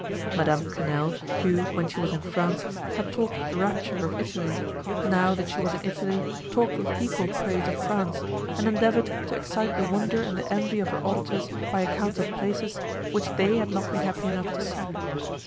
Madame Quesnel, who, when she was in France, had talked with rapture of Italy, now, that she was in Italy, talked with equal praise of France, and endeavoured to excite the wonder and the envy of her auditors by accounts of places, which they had not been happy enough to see.